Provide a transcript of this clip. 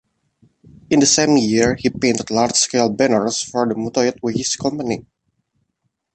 In the same year he painted large-scale banners for the Mutoid Waste Company.